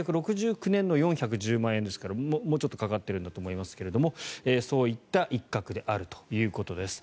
１９６９年の４１０万円ですからもうちょっとかかっているんだと思いますがそういった一角であるということです。